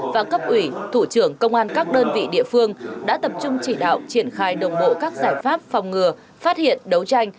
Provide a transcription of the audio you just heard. và cấp ủy thủ trưởng công an các đơn vị địa phương đã tập trung chỉ đạo triển khai đồng bộ các giải pháp phòng ngừa phát hiện đấu tranh